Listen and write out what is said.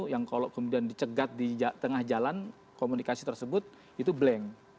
yang kalau kemudian dicegat di tengah jalan komunikasi tersebut itu blank